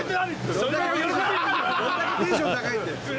どれだけテンション高いんだよ！